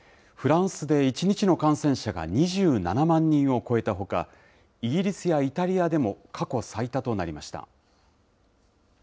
フランスで１日の感染者が２７万人を超えたほか、イギリスやイタリアでも過去最多となりました。